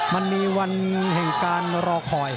มันมีวันแห่งการรอคอย